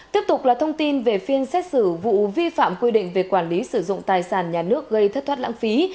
tiếp tục là thông tin về phiên xét xử vụ vi phạm quy định về quản lý sử dụng tài sản nhà nước gây thất thoát lãng phí